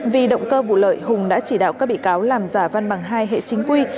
vì động cơ vụ lợi hùng đã chỉ đạo các bị cáo làm giả văn bằng hai hệ chính quy